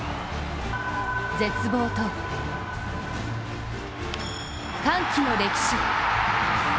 絶望と歓喜の歴史。